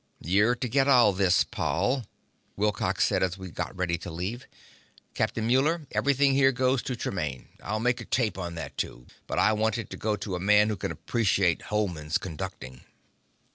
"You're to get all this, Paul," Wilcox said as we got ready to leave. "Captain Muller, everything here goes to Tremaine. I'll make a tape on that, too. But I want it to go to a man who can appreciate Hohmann's conducting."